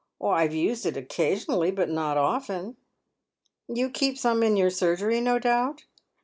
" I have used it occasionally, but not often." You keep some in your surgery, no doubt